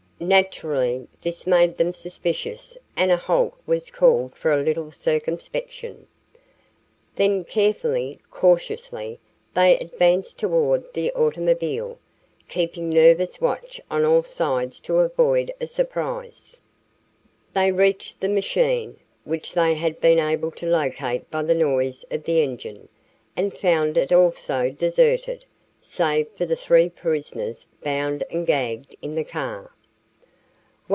Naturally this made them suspicious and a halt was called for a little circumspection. Then, carefully, cautiously, they advanced toward the automobile, keeping nervous watch on all sides to avoid a surprise. They reached the machine, which they had been able to locate by the noise of the engine, and found it also deserted, save for the three prisoners, bound and gagged, in the car.